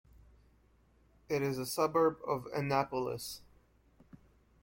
It is a suburb of Annapolis.